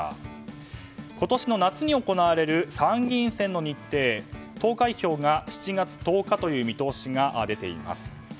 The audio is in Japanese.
今年夏に行われる参議院選の日程投開票が７月１０日という見通しが出ています。